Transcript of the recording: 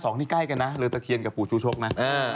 สองนี่ใกล้กันนะเรือตะเคียนกับปู่ชูชกนะ